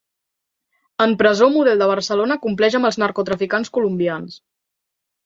En presó model de Barcelona compleix amb els narcotraficants colombians.